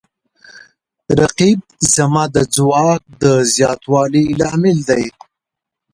رقیب زما د ځواک د زیاتوالي لامل دی